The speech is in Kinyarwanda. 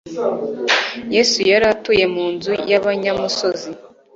Yesu yari atuye mu nzu y'abanyamusozi,